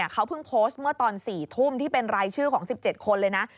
เขาเพิ่งโพสต์เมื่อตอน๔ทุ่มที่เป็นรายชื่อของ๑๗คนเลยนะ